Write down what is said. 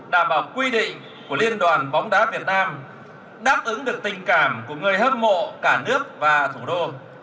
đảm bảo quy định của liên đoàn bóng đá việt nam đáp ứng được tình cảm của người hâm mộ cả nước và thủ đô